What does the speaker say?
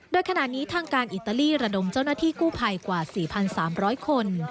โดยขณะนี้ทางการอิตาลีระดมเจ้าหน้าที่กู้ภัยกว่า๔๓๐๐คน